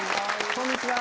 こんにちは。